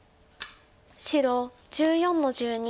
白１４の十二。